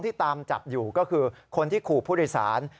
ตามจับอยู่ก็คือคนที่ขู่ผู้โดยสาร